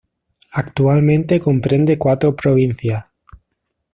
Actualmente comprende cuatro provincias.